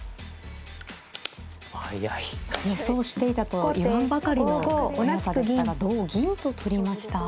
予想していたと言わんばかりの早さでしたが同銀と取りました。